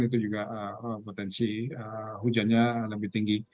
itu juga potensi hujannya lebih tinggi